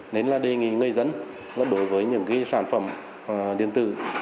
nên là đề nghị người dân đối với những sản phẩm điện tử